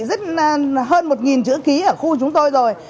hơn một chữ ký ở khu chúng tôi rồi